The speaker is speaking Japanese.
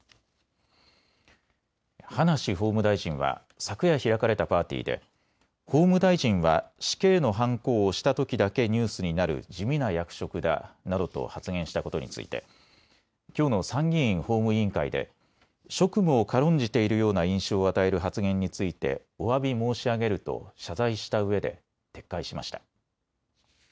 葉梨法務大臣は昨夜開かれたパーティーで法務大臣は死刑のはんこを押したときだけニュースになる地味な役職だなどと発言したことについてきょうの参議院法務委員会で職務を軽んじているような印象を与える発言についておわび申し上げると謝罪したうえで撤回しました。